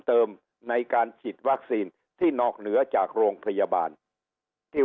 เติมในการฉีดวัคซีนที่นอกเหนือจากโรงพยาบาลที่